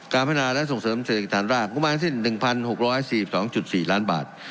การพัฒนาและส่งเสริมเศรษฐกิจฐานรากประมาณสิ้นหนึ่งพันหกร้อยสี่สองจุดสี่ล้านบาท